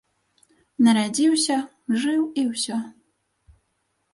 Нарадзіўся, жыў і ўсё.